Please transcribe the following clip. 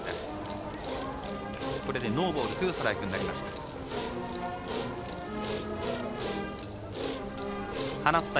これでノーボールツーストライクになりました。